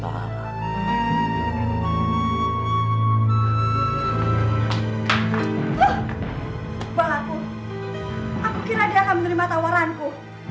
aku kira dia akan menerima tawaranku